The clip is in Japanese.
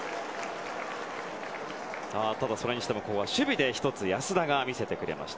ただそれにしても守備で１つ安田が見せてくれました。